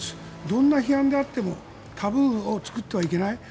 どんな批判であってもタブーを作ってはいけない。